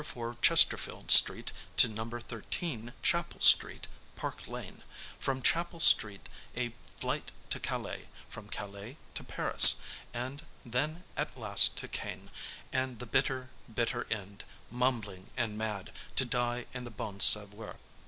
4 Chesterfield Street to No. 13 Chapel Street, Park Lane; from Chapel Street a flight to Calais; from Calais to Paris; and then, at last, to Caen, and the bitter, bitter end, mumbling and mad, to die in the Bon Sauveur.